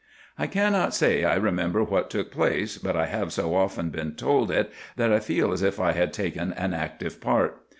"I cannot say I remember what took place, but I have so often been told it that I feel as if I had taken an active part.